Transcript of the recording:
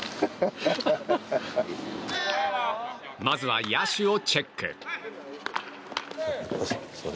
まずは、野手をチェック。